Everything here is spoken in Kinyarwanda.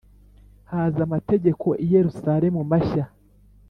Haza amategeko i Yerusalemu mashya.